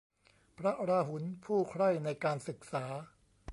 พระราหุล ผู้ใคร่ในการศึกษา